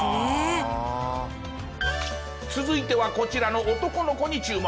続いてはこちらの男の子に注目。